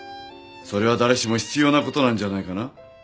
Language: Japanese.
それは誰しも必要なことなんじゃないかな。